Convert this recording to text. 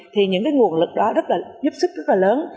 thì những cái nguồn lực đó rất là giúp sức rất là lớn